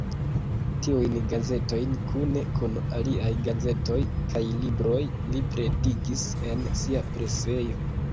Tiujn gazetojn kune kun aliaj gazetoj kaj libroj li pretigis en sia presejo.